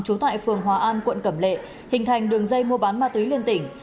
trú tại phường hòa an quận cẩm lệ hình thành đường dây mua bán ma túy liên tỉnh